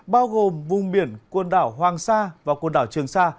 bao gồm vùng biển quần đảo hoàng sa và quần đảo trường sa